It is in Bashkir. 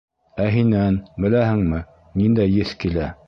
Ә һинән, беләһеңме, ниндәй еҫ килә?